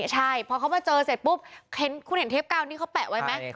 ใช่พอเขามาเจอเสร็จปุ๊บคุณเห็นเทปกาวนี้เขาแปะไว้ไหม